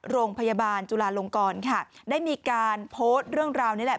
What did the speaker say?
โรงพยาบาลจุลาลงกรค่ะได้มีการโพสต์เรื่องราวนี้แหละ